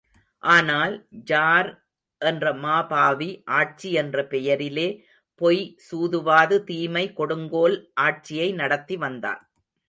ஆனால், ஜார் என்ற மாபாவி ஆட்சி என்ற பெயரிலே, பொய், சூதுவது, தீமை, கொடுங்கோல், ஆட்சியை நடத்தி வந்தான்.